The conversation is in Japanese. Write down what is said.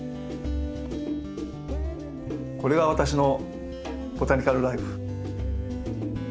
これが私の「ボタニカル・らいふ」。